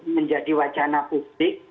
menjadi wajahnya publik